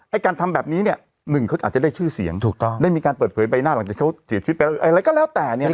การทำแบบนี้เนี่ยหนึ่งเขาอาจจะได้ชื่อเสียงถูกต้องได้มีการเปิดเผยใบหน้าหลังจากเขาเสียชีวิตไปอะไรก็แล้วแต่เนี่ย